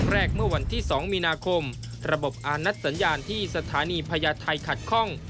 เมื่อวันที่๒มีนาคมระบบอานัดสัญญาณที่สถานีพญาไทยขัดคล่อง